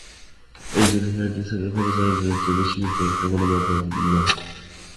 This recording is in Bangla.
একজনের হেয়ারড্রেসারের খরচ আরেকজনের চেয়ে বেশি, কিন্তু এটা কোনো ব্যাপার নয়।